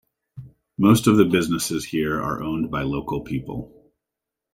Most of the businesses here are owned by local people.